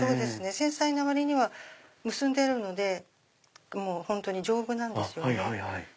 繊細な割には結んでるので本当に丈夫なんですよね。